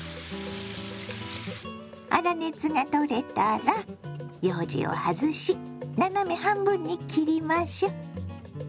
粗熱が取れたらようじを外し斜め半分に切りましょ。